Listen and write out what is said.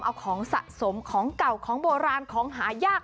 เอาของสะสมของเก่าของโบราณของหายาก